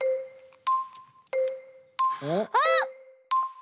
あっ！